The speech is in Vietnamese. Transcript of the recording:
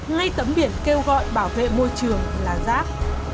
ngay tấm biển kêu gọi bảo vệ môi trường là rác